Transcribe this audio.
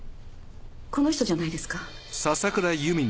この人じゃないですか？